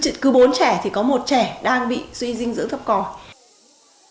thì có một trẻ đang bị suy dinh dưỡng thấp cò